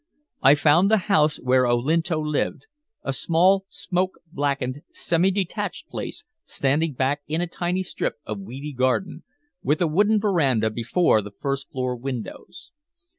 I found the house where Olinto lived a small, smoke blackened, semi detached place standing back in a tiny strip of weedy garden, with a wooden veranda before the first floor windows.